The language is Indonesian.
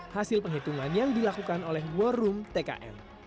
hasil penghitungan yang dilakukan oleh war room tkn